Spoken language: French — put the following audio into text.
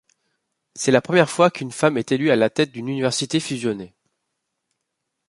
C’est la première fois qu’une femme est élue à la tête d’une université fusionnée.